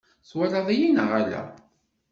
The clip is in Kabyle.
Twalaḍ-iyi neɣ ala?